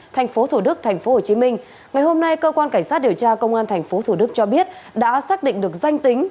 tp thủ đức tp hcm ngày hôm nay cơ quan cảnh sát điều tra công an tp thủ đức cho biết đã xác định được danh tính